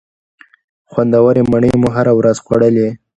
خوندورې مڼې مو هره ورځ خوړلې.